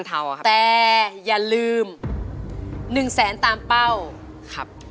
แต่อย่าลืม๑แสนตามเป้าครับ